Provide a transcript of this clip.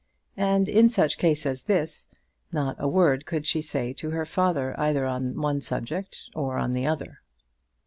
And in such a case as this, not a word could she say to her father either on one subject or on the other.